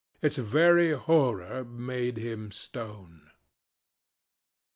Its very horror made him stone.